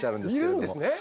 いるんですね。